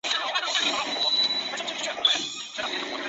与吉田茂亲近。